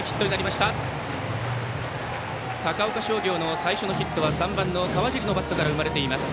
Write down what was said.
高岡商業の最初のヒットは３番の川尻のバットから生まれています。